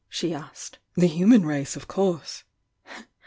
she asked. "The human race, of course!"